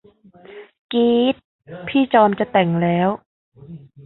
กี๊ด พี่จอมจะแต่งแล้ว